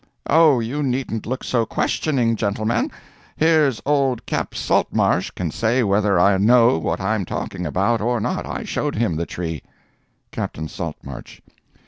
Oh, you needn't look so questioning, gentlemen; here's old Cap Saltmarsh can say whether I know what I'm talking about or not. I showed him the tree." Captain Saltmarsh.